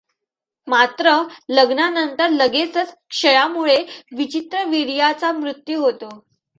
मात्र लग्नानंतर लगेचच क्षयामुळे विचित्रवीर्याचा मृत्यू होतो.